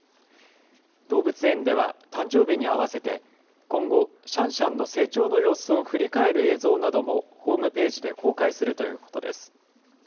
動物園では誕生日に合わせて、今後、シャンシャンの成長の様子を振り返る映像などもホームページで公開するということです。